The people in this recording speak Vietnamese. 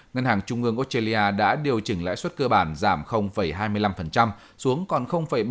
ngân hàng trung ương australia đã điều chỉnh lãi suất cơ bản giảm hai mươi năm xuống còn bảy mươi